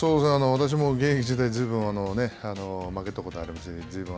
私も現役時代ずいぶん負けたことがありますし